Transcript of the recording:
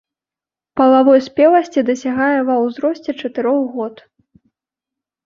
Палавой спеласці дасягае ва ўзросце чатырох год.